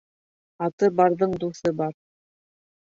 Аты барҙың дуҫы бар.